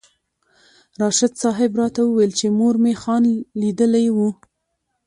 راشد صاحب راته وویل چې مور مې خان لیدلی و.